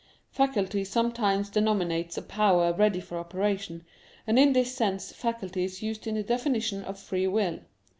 2: Faculty sometimes denominates a power ready for operation, and in this sense faculty is used in the definition of free will.